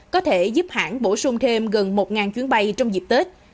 có thể giúp hãng bổ sung thêm gần một chuyến bay trong dịp tết